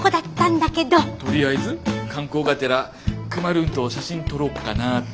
とりあえず観光がてらクマルーンと写真撮ろうかなって。